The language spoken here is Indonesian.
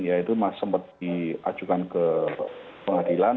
itu masih sempat diajukan ke pengadilan